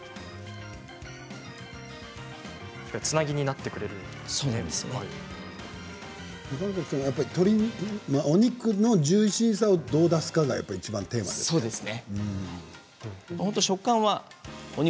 つなぎにお肉のジューシーさをどう出すかが、やっぱりいちばんテーマですね。